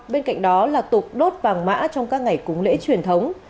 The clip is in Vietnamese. bên cạnh đó là tục đốt vàng mã trong các ngày cúng lễ truyền thống